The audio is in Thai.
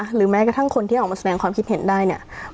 หรือแม้กระทั่งคนที่ออกมาแสดงความคิดเห็นได้เนี่ย